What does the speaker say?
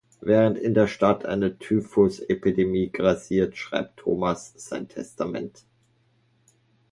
Während in der Stadt eine Typhusepidemie grassiert, schreibt Thomas sein Testament.